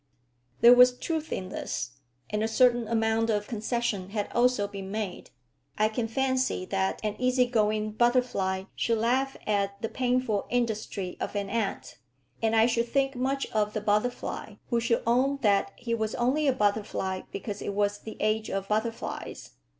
There was truth in this, and a certain amount of concession had also been made. I can fancy that an easy going butterfly should laugh at the painful industry of the ant; and I should think much of the butterfly who should own that he was only a butterfly because it was the age of butterflies.